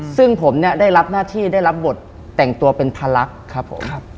ซึ่งผมเนี่ยได้รับหน้าที่ได้รับบทแต่งตัวเป็นพลักษณ์ครับผม